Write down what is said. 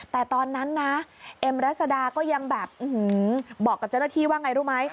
แต่ตอนนั้นนะเอ็มรัศดาก็ยังแบบบอกกับเจ้าหน้าที่ว่าไงรู้ไหม